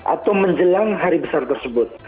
atau menjelang hari besar tersebut